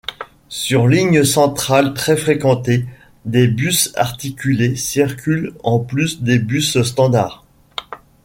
Sur lignes centrales très fréquentées, des bus articulés circulent en plus des bus standards.